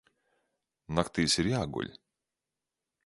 Naktīs ir jāguļ.